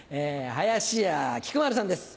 林家菊丸さんです。